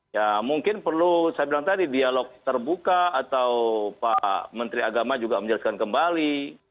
ya mungkin perlu saya bilang tadi dialog terbuka atau pak menteri agama juga menjelaskan kembali